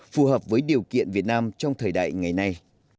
phù hợp với điều kiện việt nam trong thời đại ngày nay